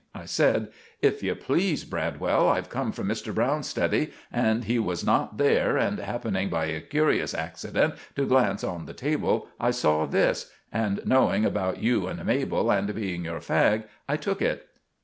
I said: "If you please, Bradwell, I've come from Mr. Browne's study, and he was not there, and happening by a curious axcident to glance on the table I saw this. Knowing about you and Mabel, and being your fag, I took it."